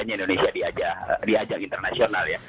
hanya indonesia di ajang internasional ya